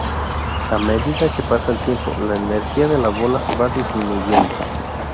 A medida que pasa el tiempo, la energía de la bola va disminuyendo.